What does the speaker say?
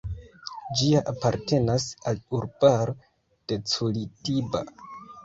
Ĝia apartenas al urbaro de Curitiba.